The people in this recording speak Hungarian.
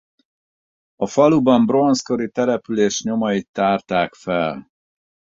A faluban bronzkori település nyomait tárták fel.